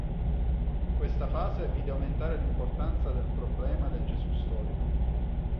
Questa fase vide aumentare l'importanza del problema del Gesù storico.